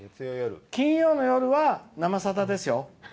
金曜の夜は「生さだ」ですよ。